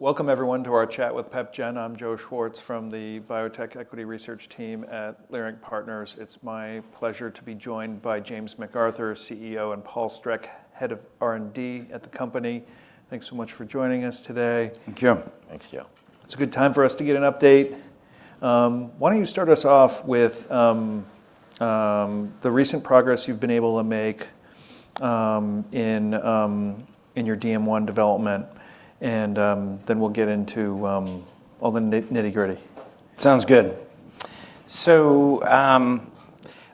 Welcome everyone to our chat with PepGen. I'm Joe Schwartz from the biotech equity research team at Leerink Partners. It's my pleasure to be joined by James McArthur, CEO, and Paul Streck, Head of R&D at the company. Thanks so much for joining us today. Thank you. Thank you. It's a good time for us to get an update. Why don't you start us off with the recent progress you've been able to make in your DM1 development, and then we'll get into all the nitty-gritty. Sounds good.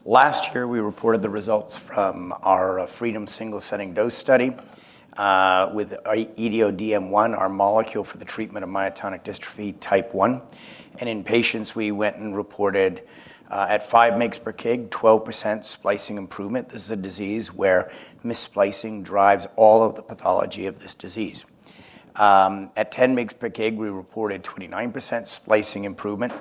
Last year, we reported the results from our FREEDOM-DM1 with our PGN-EDODM1, our molecule for the treatment of myotonic dystrophy type 1. In patients, we went and reported at five mg/kg, 12% splicing improvement. This is a disease where mis-splicing drives all of the pathology of this disease. At 10 mg/kg, we reported 29% splicing improvement,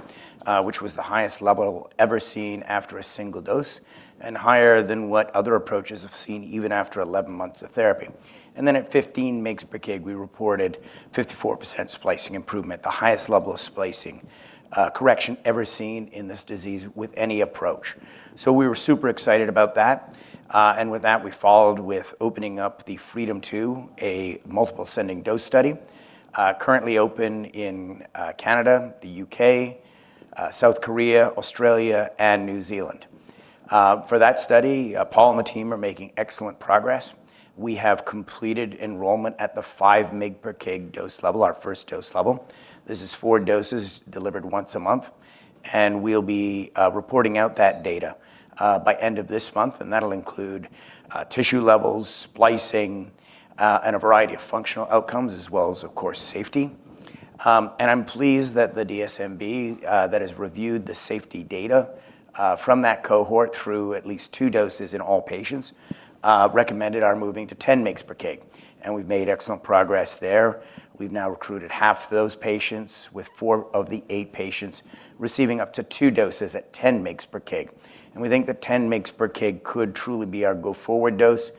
which was the highest level ever seen after a single dose and higher than what other approaches have seen even after 11 months of therapy. At 15 mg/kg, we reported 54% splicing improvement, the highest level of splicing correction ever seen in this disease with any approach. We were super excited about that. With that, we followed with opening up the Freedom 2, a multiple ascending dose study, currently open in Canada, the U.K., South Korea, Australia, and New Zealand. For that study, Paul and the team are making excellent progress. We have completed enrollment at the five mg per kg dose level, our first dose level. This is four doses delivered once a month, and we'll be reporting out that data by end of this month, and that'll include tissue levels, splicing, and a variety of functional outcomes, as well as, of course, safety. I'm pleased that the DSMB that has reviewed the safety data from that cohort through at least two doses in all patients recommended our moving to 10 mg per kg. We've made excellent progress there. We've now recruited half those patients, with four of the eight patients receiving up to eight doses at 10 mg per kg. We think that 10 mg per kg could truly be our go-forward dose,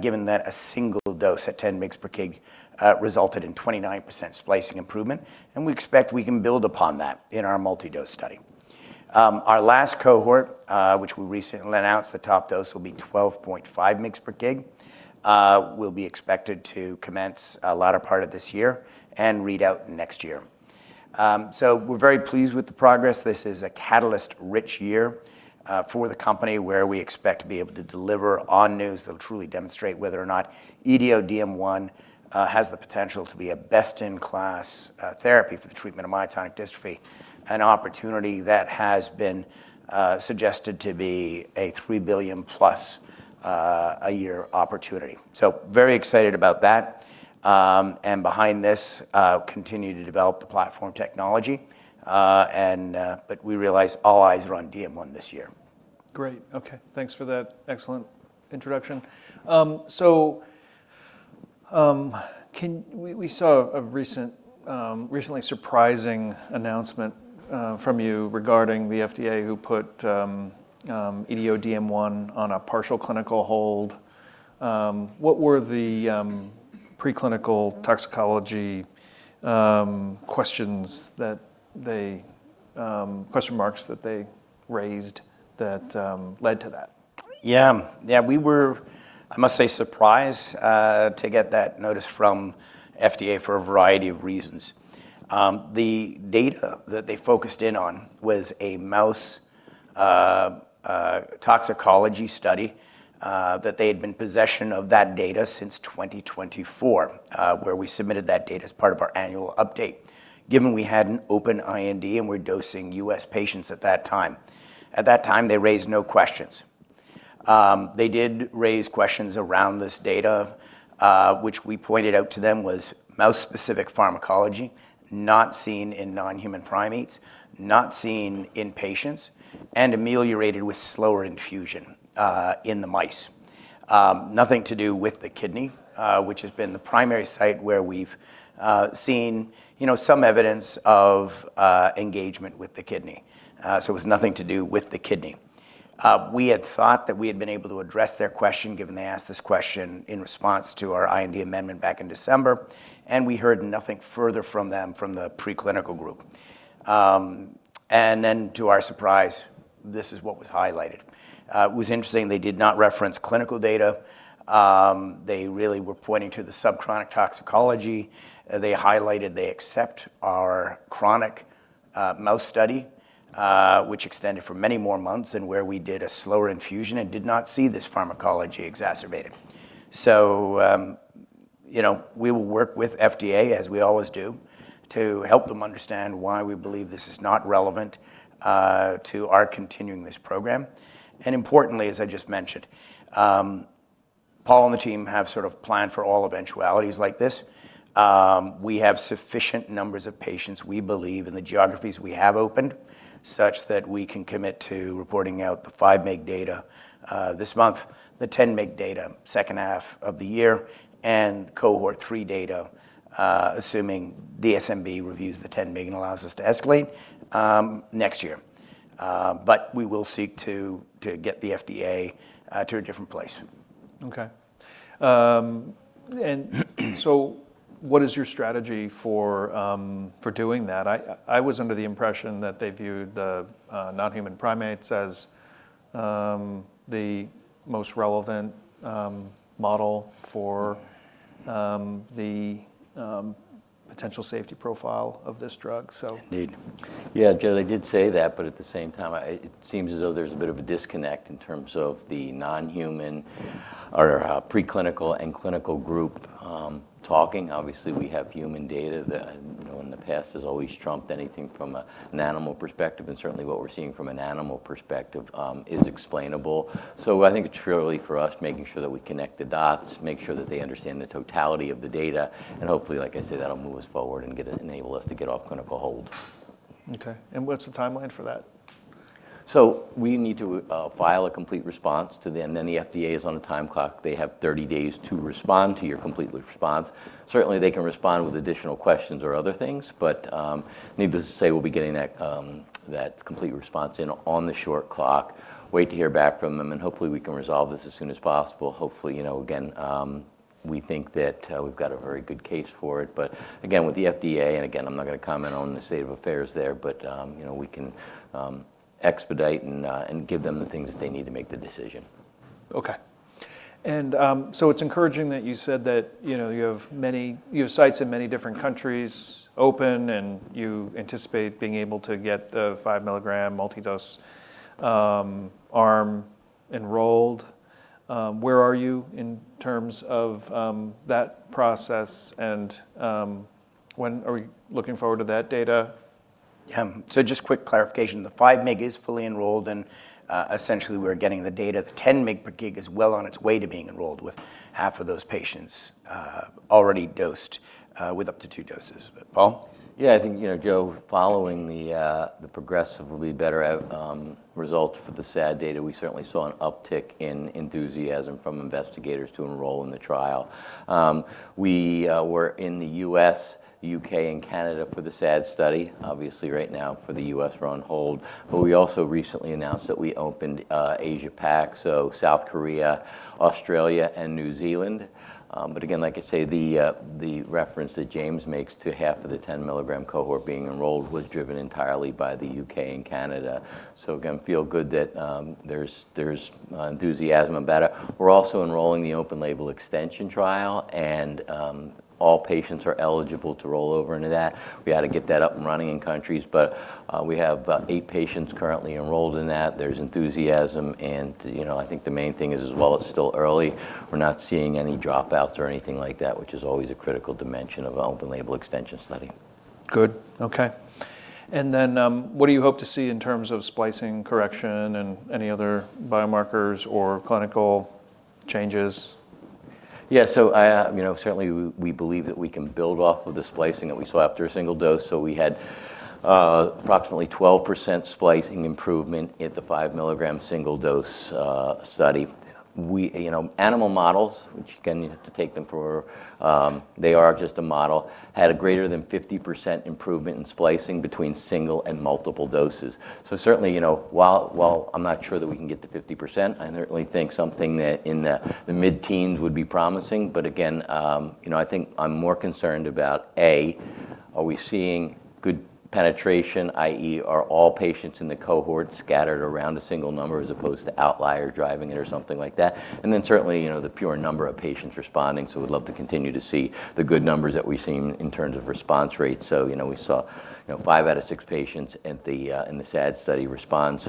given that a single dose at 10 mg per kg resulted in 29% splicing improvement. We expect we can build upon that in our multi-dose study. Our last cohort, which we recently announced, the top dose will be 12.5 mg per kg, will be expected to commence latter part of this year and read out next year. We're very pleased with the progress. This is a catalyst-rich year for the company, where we expect to be able to deliver on news that will truly demonstrate whether or not EDO-DM1 has the potential to be a best-in-class therapy for the treatment of myotonic dystrophy, an opportunity that has been suggested to be a $3 billion-plus-a-year opportunity. Very excited about that. Behind this, continue to develop the platform technology. We realize all eyes are on DM1 this year. Great. Okay. Thanks for that excellent introduction. We saw a recently surprising announcement from you regarding the FDA who put PGN-EDODM1 on a partial clinical hold. What were the preclinical toxicology questions that they question marks that they raised that led to that? Yeah. Yeah, we were, I must say, surprised to get that notice from FDA for a variety of reasons. The data that they focused in on was a mouse toxicology study that they had been in possession of that data since 2024, where we submitted that data as part of our annual update, given we had an open IND and were dosing U.S. patients at that time. At that time, they raised no questions. They did raise questions around this data, which we pointed out to them was mouse-specific pharmacology, not seen in non-human primates, not seen in patients, and ameliorated with slower infusion in the mice. Nothing to do with the kidney, which has been the primary site where we've seen, you know, some evidence of engagement with the kidney. It was nothing to do with the kidney. We had thought that we had been able to address their question, given they asked this question in response to our IND amendment back in December, and we heard nothing further from them from the preclinical group. To our surprise, this is what was highlighted. It was interesting they did not reference clinical data. They really were pointing to the subchronic toxicology. They highlighted they accept our chronic mouse study, which extended for many more months and where we did a slower infusion and did not see this pharmacology exacerbated. You know, we will work with FDA as we always do to help them understand why we believe this is not relevant to our continuing this program. Importantly, as I just mentioned, Paul and the team have sort of planned for all eventualities like this. We have sufficient numbers of patients, we believe, in the geographies we have opened, such that we can commit to reporting out the 5-mg data this month, the 10-mg data second half of the year, and cohort three data, assuming DSMB reviews the 10 mg and allows us to escalate, next year. We will seek to get the FDA to a different place. Okay. What is your strategy for doing that? I was under the impression that they viewed the non-human primates as the most relevant model for the potential safety profile of this drug. Indeed. Yeah, Joe, they did say that, but at the same time, it seems as though there's a bit of a disconnect in terms of the non-human or preclinical and clinical group talking. Obviously, we have human data that, you know, in the past has always trumped anything from an animal perspective, and certainly what we're seeing from an animal perspective is explainable. I think it's really for us making sure that we connect the dots, make sure that they understand the totality of the data, and hopefully, like I say, that'll move us forward and enable us to get off clinical hold. Okay, what's the timeline for that? We need to file a complete response and then the FDA is on the time clock. They have 30 days to respond to your complete response. Certainly, they can respond with additional questions or other things, but needless to say, we'll be getting that complete response in on the short clock, wait to hear back from them, and hopefully we can resolve this as soon as possible. Hopefully, you know, again, we think that we've got a very good case for it. Again, with the FDA, and again, I'm not gonna comment on the state of affairs there, but you know, we can expedite and give them the things that they need to make the decision. It's encouraging that you said that, you know, you have sites in many different countries open, and you anticipate being able to get the 5-milligram multi-dose arm enrolled. Where are you in terms of that process, and when are we looking forward to that data? Just quick clarification. The five mg is fully enrolled, and essentially, we're getting the data. The 10 mg per kg is well on its way to being enrolled, with half of those patients already dosed with up to two doses. Paul? Yeah, I think, you know, Joe, following the positive will be better at results for the SAD data. We certainly saw an uptick in enthusiasm from investigators to enroll in the trial. We were in the U.S., U.K., and Canada for the SAD study. Obviously, right now, for the U.S., we're on hold. We also recently announced that we opened Asia PAC, so South Korea, Australia, and New Zealand. Again, like I say, the reference that James makes to half of the 10-milligram cohort being enrolled was driven entirely by the U.K. and Canada. Again, feel good that there's enthusiasm about it. We're also enrolling the open-label extension trial, and all patients are eligible to roll over into that. We had to get that up and running in countries, but we have eight patients currently enrolled in that. There's enthusiasm, and, you know, I think the main thing is, while it's still early, we're not seeing any dropouts or anything like that, which is always a critical dimension of open-label extension study. Good. Okay. What do you hope to see in terms of splicing correction and any other biomarkers or clinical changes? Yeah. I, you know, certainly we believe that we can build off of the splicing that we saw after a single dose. We had approximately 12% splicing improvement at the 5-milligram single-dose study. In animal models, you know, which again, you have to take them for, they are just a model, had greater than 50% improvement in splicing between single and multiple doses. Certainly, you know, while I'm not sure that we can get to 50%, I certainly think something in the mid-teens would be promising. Again, you know, I think I'm more concerned about A, are we seeing good penetration, i.e., are all patients in the cohort scattered around a single number as opposed to outlier driving it or something like that? Certainly, you know, the pure number of patients responding, so we'd love to continue to see the good numbers that we've seen in terms of response rates. You know, we saw, you know, five out of six patients at the in the SAD study respond.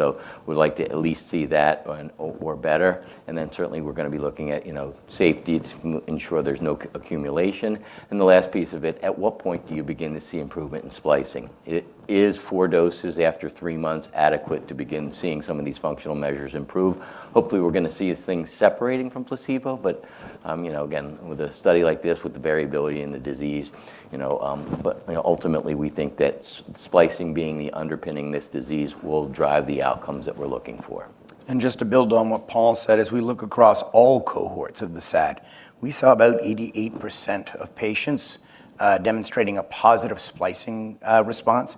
We'd like to at least see that or better, and then certainly we're gonna be looking at, you know, safety to ensure there's no accumulation. The last piece of it, at what point do you begin to see improvement in splicing? It is four doses after three months adequate to begin seeing some of these functional measures improve. Hopefully, we're gonna see things separating from placebo, but, you know, again, with a study like this with the variability in the disease, you know, but, you know, ultimately we think that splicing being the underpinning this disease will drive the outcomes that we're looking for. Just to build on what Paul said, as we look across all cohorts of the SAD, we saw about 88% of patients demonstrating a positive splicing response.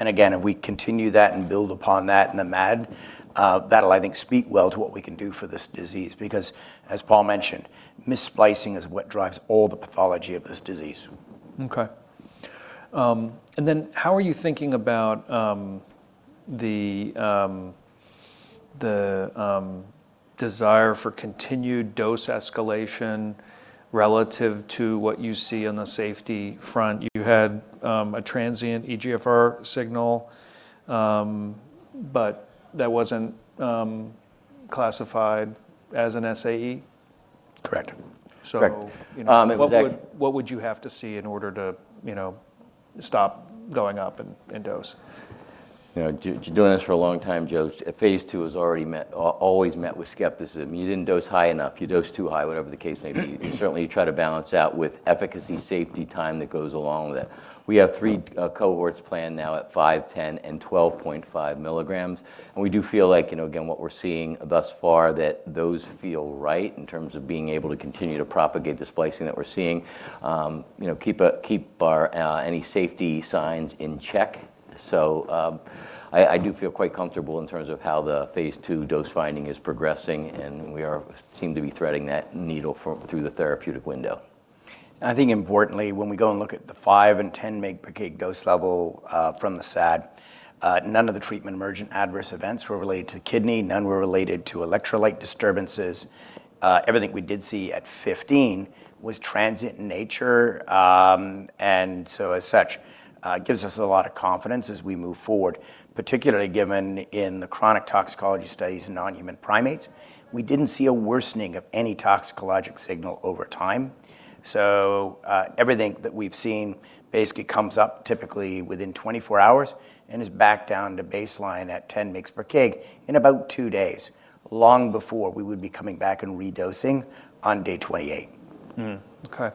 Again, if we continue that and build upon that in the MAD, that'll, I think, speak well to what we can do for this disease because as Paul mentioned, mis-splicing is what drives all the pathology of this disease. Okay. How are you thinking about the desire for continued dose escalation relative to what you see on the safety front? You had a transient eGFR signal, but that wasn't classified as an SAE? Correct. So. Correct. What would you have to see in order to, you know, stop going up in dose? You know, doing this for a long time, Joe, phase II is already met, always met with skepticism. You didn't dose high enough. You dosed too high, whatever the case may be. You certainly try to balance out with efficacy, safety, time that goes along with it. We have three cohorts planned now at five, 10, and 12.5 milligrams, and we do feel like, you know, again, what we're seeing thus far that those feel right in terms of being able to continue to propagate the splicing that we're seeing, you know, keep an eye on any safety signals in check. I do feel quite comfortable in terms of how the phase II dose finding is progressing, and seem to be threading that needle through the therapeutic window. I think importantly, when we go and look at the five and 10 mg per kg dose level from the SAD, none of the treatment emergent adverse events were related to kidney, none were related to electrolyte disturbances. Everything we did see at 15 was transient in nature. As such, it gives us a lot of confidence as we move forward, particularly given in the chronic toxicology studies in non-human primates, we didn't see a worsening of any toxicologic signal over time. Everything that we've seen basically comes up typically within 24 hours and is back down to baseline at 10 mg per kg in about 2 days, long before we would be coming back and redosing on day 28. Okay.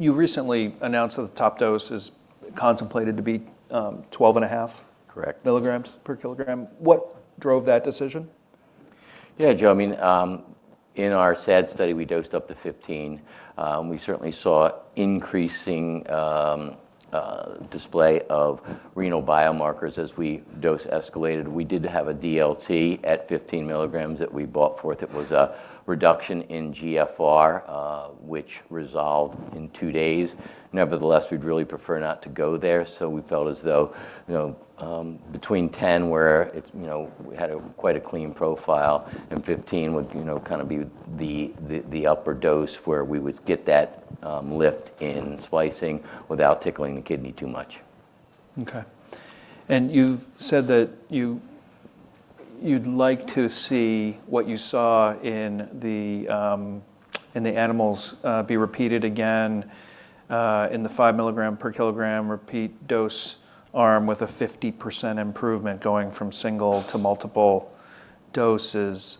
You recently announced that the top dose is contemplated to be 12.5. Correct. Milligrams per kilogram. What drove that decision? Yeah, Joe, I mean, in our SAD study, we dosed up to 15. We certainly saw increasing display of renal biomarkers as we dose escalated. We did have a DLT at 15 milligrams that we brought forth. It was a reduction in GFR, which resolved in two days. Nevertheless, we'd really prefer not to go there, so we felt as though, you know, between 10, where it's, you know, we had quite a clean profile and 15 would, you know, kind of be the upper dose where we would get that lift in splicing without tickling the kidney too much. You've said that you'd like to see what you saw in the animals be repeated again in the five milligram per kilogram repeat dose arm with a 50% improvement going from single to multiple doses.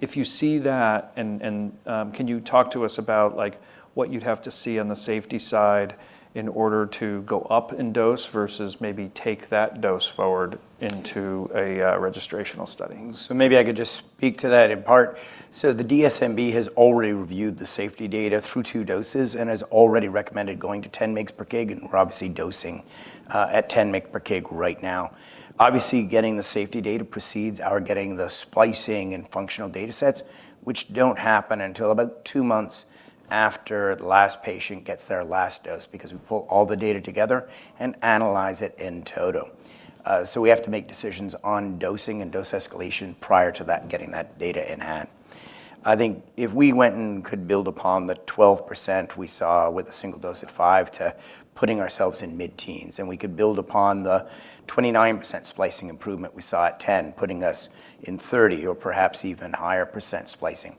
If you see that, and can you talk to us about, like, what you'd have to see on the safety side in order to go up in dose versus maybe take that dose forward into a registrational study? Maybe I could just speak to that in part. The DSMB has already reviewed the safety data through two doses and has already recommended going to 10 mg per kg, and we're obviously dosing at 10 mg per kg right now. Obviously, getting the safety data precedes our getting the splicing and functional data sets, which don't happen until about two months after the last patient gets their last dose, because we pull all the data together and analyze it in toto. We have to make decisions on dosing and dose escalation prior to that getting that data in hand. I think if we went and could build upon the 12% we saw with a single dose at five to putting ourselves in mid-teens, and we could build upon the 29% splicing improvement we saw at 10, putting us in 30% or perhaps even higher % splicing,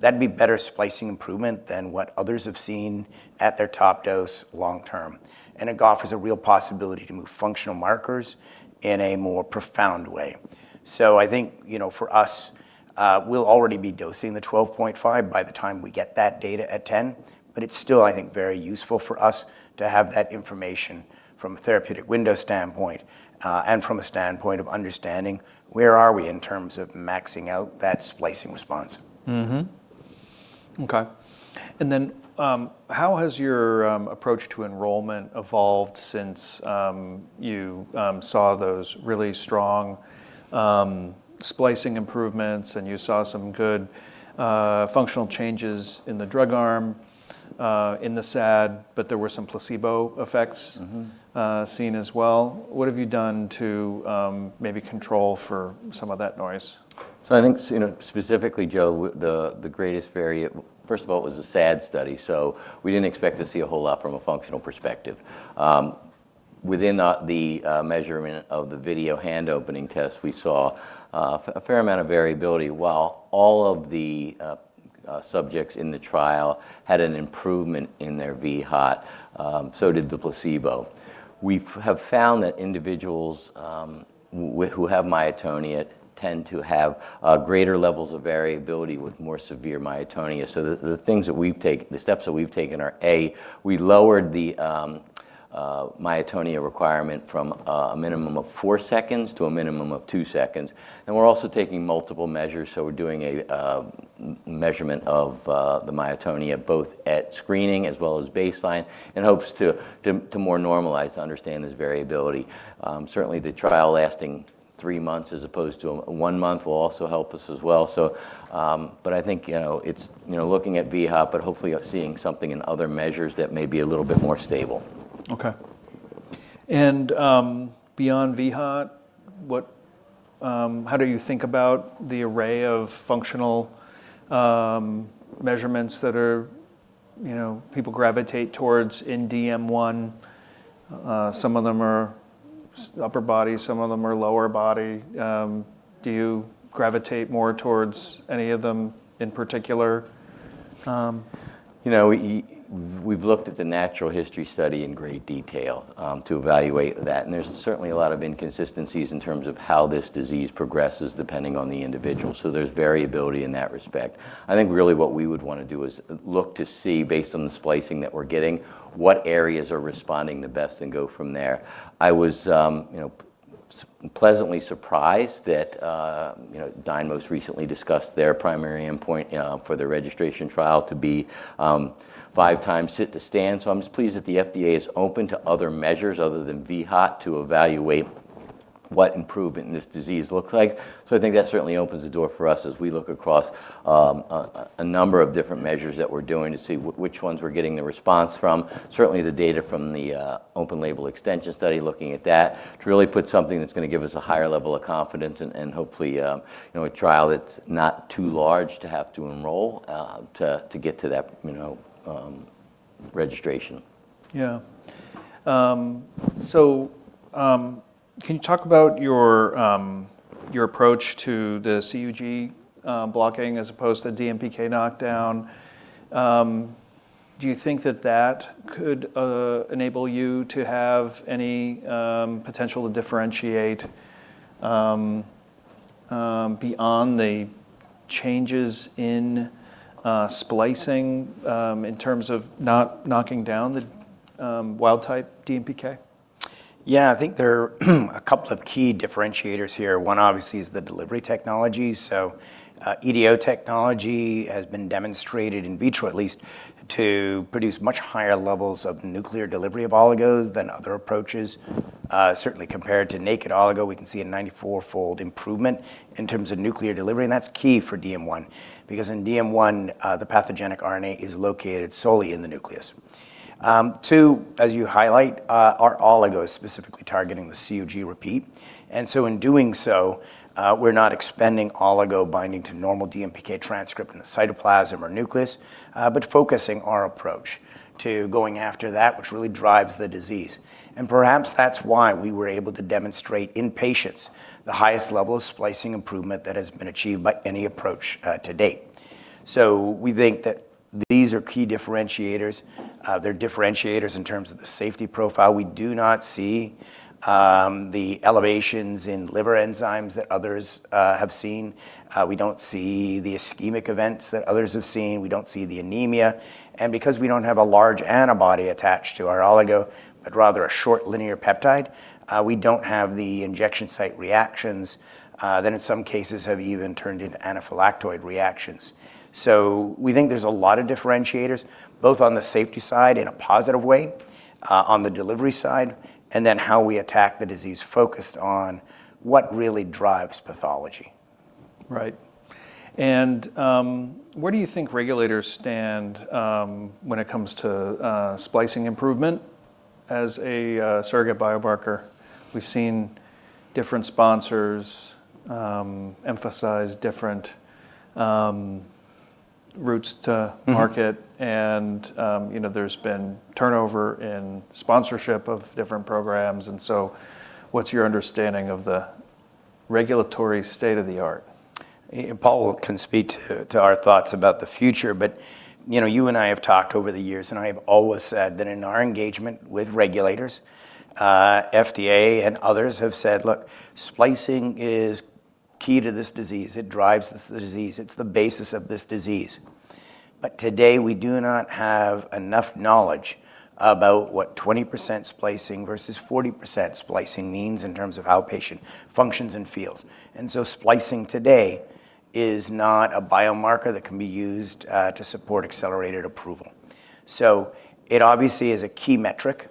that'd be better splicing improvement than what others have seen at their top dose long term. It offers a real possibility to move functional markers in a more profound way. I think, you know, for us, we'll already be dosing the 12.5 by the time we get that data at 10, but it's still, I think, very useful for us to have that information from a therapeutic window standpoint, and from a standpoint of understanding where are we in terms of maxing out that splicing response. Okay. How has your approach to enrollment evolved since you saw those really strong splicing improvements and you saw some good functional changes in the drug arm in the SAD, but there were some placebo effects? Mm-hmm Seen as well? What have you done to maybe control for some of that noise? I think, you know, specifically, Joe, the greatest variability. First of all, it was a SAD study, so we didn't expect to see a whole lot from a functional perspective. Within the measurement of the video hand opening time, we saw a fair amount of variability. While all of the subjects in the trial had an improvement in their vHOT, so did the placebo. We have found that individuals who have myotonia tend to have greater levels of variability with more severe myotonia. The steps that we've taken are, A, we lowered the myotonia requirement from a minimum of four seconds to a minimum of two seconds, and we're also taking multiple measures. We're doing a measurement of the myotonia, both at screening as well as baseline, in hopes to more normalize to understand this variability. Certainly the trial lasting three months as opposed to one month will also help us as well. I think, you know, it's, you know, looking at vHOT, but hopefully you're seeing something in other measures that may be a little bit more stable. Okay. Beyond vHOT, how do you think about the array of functional measurements that are, you know, people gravitate towards in DM1? Some of them are upper body, some of them are lower body. Do you gravitate more towards any of them in particular? You know, we've looked at the natural history study in great detail to evaluate that, and there's certainly a lot of inconsistencies in terms of how this disease progresses depending on the individual. There's variability in that respect. I think really what we would wanna do is look to see, based on the splicing that we're getting, what areas are responding the best and go from there. Pleasantly surprised that, you know, Dyne most recently discussed their primary endpoint, you know, for their registration trial to be Five Times Sit to Stand. I'm just pleased that the FDA is open to other measures other than vHOT to evaluate what improvement in this disease looks like. I think that certainly opens the door for us as we look across a number of different measures that we're doing to see which ones we're getting the response from. Certainly, the data from the open label extension study, looking at that, to really put something that's gonna give us a higher level of confidence and hopefully, you know, a trial that's not too large to have to enroll to get to that, you know, registration. Yeah. Can you talk about your approach to the CUG blocking as opposed to DMPK knockdown? Do you think that could enable you to have any potential to differentiate beyond the changes in splicing in terms of knocking down the wild type DMPK? Yeah. I think there are a couple of key differentiators here. One obviously is the delivery technology. So, EDO technology has been demonstrated in vitro at least to produce much higher levels of nuclear delivery of oligos than other approaches. Certainly compared to naked oligo, we can see a 94-fold improvement in terms of nuclear delivery, and that's key for DM1 because in DM1, the pathogenic RNA is located solely in the nucleus. Two, as you highlight, our oligo is specifically targeting the CUG repeat. In doing so, we're not expending oligo binding to normal DMPK transcript in the cytoplasm or nucleus, but focusing our approach to going after that which really drives the disease. Perhaps that's why we were able to demonstrate in patients the highest level of splicing improvement that has been achieved by any approach, to date. We think that these are key differentiators. They're differentiators in terms of the safety profile. We do not see the elevations in liver enzymes that others have seen. We don't see the ischemic events that others have seen. We don't see the anemia. And because we don't have a large antibody attached to our oligo, but rather a short linear peptide, we don't have the injection site reactions that in some cases have even turned into anaphylactoid reactions. We think there's a lot of differentiators, both on the safety side in a positive way, on the delivery side, and then how we attack the disease focused on what really drives pathology. Right. Where do you think regulators stand when it comes to splicing improvement as a surrogate biomarker? We've seen different sponsors emphasize different routes to Mm-hmm Market and, you know, there's been turnover in sponsorship of different programs and so what's your understanding of the regulatory state-of-the-art? Paul can speak to our thoughts about the future, but you know, you and I have talked over the years, and I have always said that in our engagement with regulators, FDA and others have said, "Look, splicing is key to this disease. It drives this disease. It's the basis of this disease." Today, we do not have enough knowledge about what 20% splicing versus 40% splicing means in terms of how patient functions and feels. Splicing today is not a biomarker that can be used to support accelerated approval. It obviously is a key metric.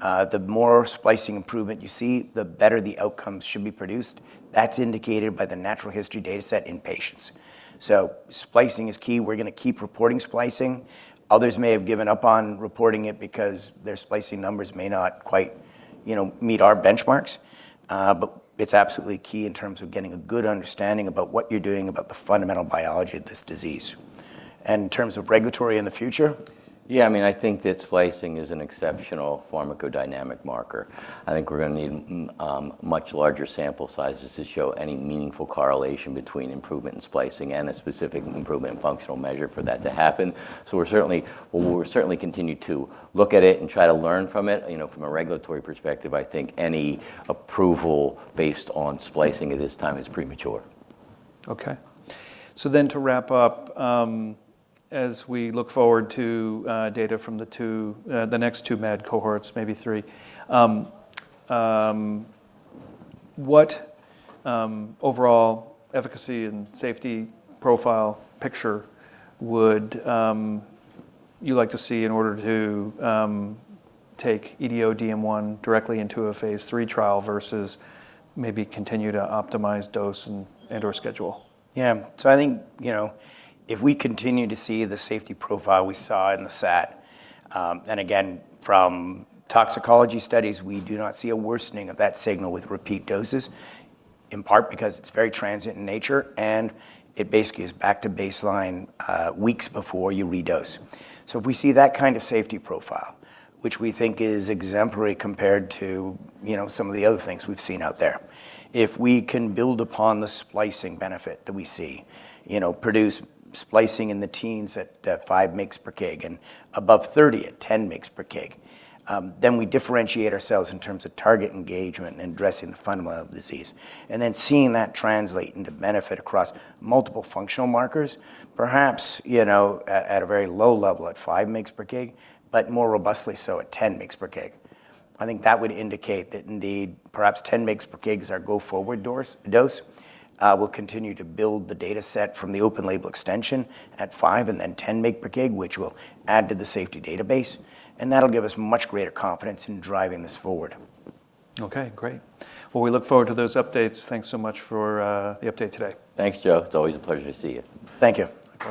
The more splicing improvement you see, the better the outcomes should be produced. That's indicated by the natural history dataset in patients. Splicing is key. We're gonna keep reporting splicing. Others may have given up on reporting it because their splicing numbers may not quite, you know, meet our benchmarks, but it's absolutely key in terms of getting a good understanding about what you're doing about the fundamental biology of this disease. In terms of regulatory in the future? Yeah. I mean, I think that splicing is an exceptional pharmacodynamic marker. I think we're gonna need much larger sample sizes to show any meaningful correlation between improvement in splicing and a specific improvement in functional measure for that to happen. Well, we'll certainly continue to look at it and try to learn from it. You know, from a regulatory perspective, I think any approval based on splicing at this time is premature. Okay. To wrap up, as we look forward to data from the next two MAD cohorts, maybe three, what overall efficacy and safety profile picture would you like to see in order to take EDO DM1 directly into a phase III trial versus maybe continue to optimize dose and/or schedule? Yeah. I think, you know, if we continue to see the safety profile we saw in the SAD, and again from toxicology studies, we do not see a worsening of that signal with repeat doses, in part because it's very transient in nature, and it basically is back to baseline, weeks before you redose. If we see that kind of safety profile, which we think is exemplary compared to, you know, some of the other things we've seen out there, if we can build upon the splicing benefit that we see, you know, produce splicing in the teens at five mg per kg and above 30 at 10 mg per kg, then we differentiate ourselves in terms of target engagement and addressing the fundamental disease, and then seeing that translate into benefit across multiple functional markers, perhaps, you know, at a very low level at five mg per kg, but more robustly so at 10 mg per kg. I think that would indicate that indeed perhaps 10 mg per kg is our go forward dose. We'll continue to build the data set from the open label extension at five and then 10 mg per kg, which will add to the safety database, and that'll give us much greater confidence in driving this forward. Okay, great. Well, we look forward to those updates. Thanks so much for the update today. Thanks, Joe. It's always a pleasure to see you. Thank you.